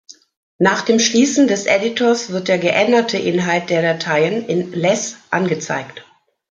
Nach dem Schließen des Editors wird der geänderte Inhalt der Dateien in "less" angezeigt.